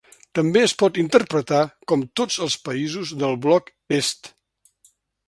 També es pot interpretar com tots els països del bloc est.